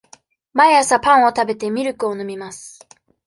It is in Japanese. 毎朝パンを食べて、ミルクを飲みます。